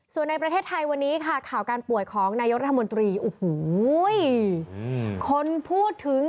คนพูดถึงกันทั้งบ้านทั้งเมือง